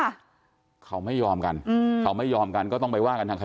ถ้าเราไม่ยอมกันก็ต้องไปว่ากันทางคดีความนี้แหละ